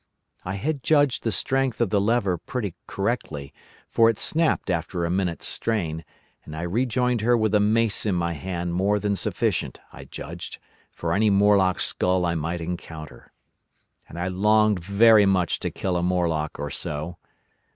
I had judged the strength of the lever pretty correctly, for it snapped after a minute's strain, and I rejoined her with a mace in my hand more than sufficient, I judged, for any Morlock skull I might encounter. And I longed very much to kill a Morlock or so.